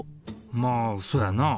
まあそうやな。